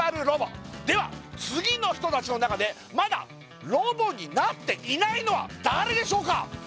ロボでは次の人達の中でまだロボになっていないのは誰でしょうか？